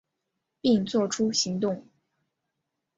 并做出行动